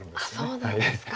そうなんですか。